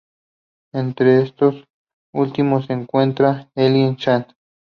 Entre estos últimos se encuentra Eileen Chang.